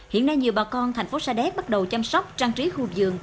hiện nay nhiều bà con thành phố sa đéc bắt đầu chăm sóc trang trí khu vườn